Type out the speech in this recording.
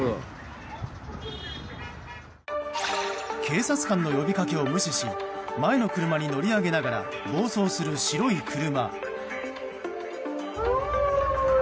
警察官の呼びかけを無視し前の車に乗り上げながら暴走する白い車。